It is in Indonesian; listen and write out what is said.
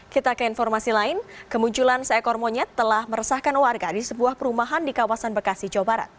kita ke informasi lain kemunculan seekor monyet telah meresahkan warga di sebuah perumahan di kawasan bekasi jawa barat